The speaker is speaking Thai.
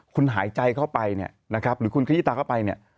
คุณหายใจเข้าไปเนี่ยนะครับหรือคุณขยี้ตาเข้าไปเนี่ย